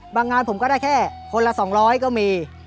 งานผมก็ได้แค่คนละ๒๐๐ก็มี